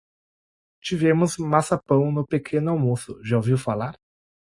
Tivemos maçapão no pequeno almoço. Já ouviu falar?